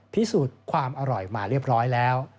พิสูจน์ความอร่อยมาเรียบร้อยแล้ว